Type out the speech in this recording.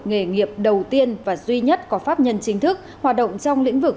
nghề nghiệp đầu tiên và duy nhất có pháp nhân chính thức hoạt động trong lĩnh vực